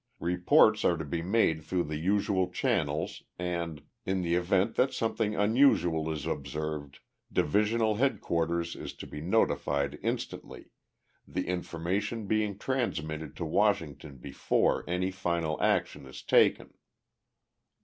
Reports are to be made through the usual channels and, in the event that something unusual is observed, Divisional Headquarters is to be notified instantly, the information being transmitted to Washington before any final action is taken.